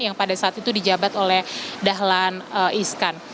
yang pada saat itu dijabat oleh dahlan iskan